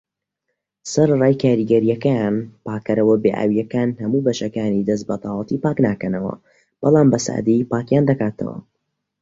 سەرەڕای کاریگەریەکەیان، پاکەرەوە بێ ئاویەکان هەموو بەشەکانی دەست بەتەواوی پاکناکەنەوە بەڵام بەسادەیی پاکیان دەکاتەوە.